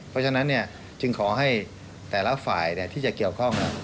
เพราะฉะนั้นจึงขอให้แต่ละฝ่ายที่จะเกี่ยวข้อง